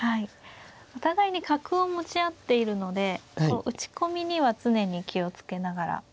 お互いに角を持ち合っているので打ち込みには常に気を付けながら。